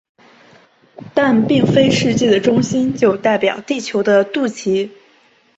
但并非世界的中心就代表地球的肚脐。